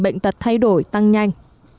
bệnh tật thay đổi tăng nhanh